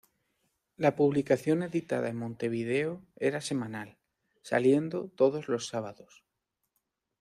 La publicación editada en Montevideo era semanal, saliendo todos los sábados.